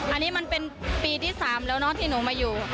อันนี้มันเป็นปีที่๓แล้วเนอะที่หนูมาอยู่